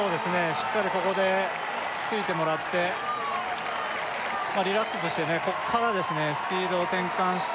しっかりここでついてもらってまあリラックスしてねここからですねスピードを転換して